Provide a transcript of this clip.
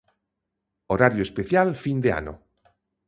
Horario especial fin de ano.